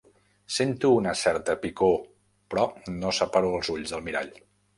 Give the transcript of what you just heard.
Sento una certa picor, però no separo els ulls del mirall.